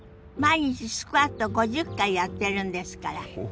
毎日スクワット５０回やってるんですから。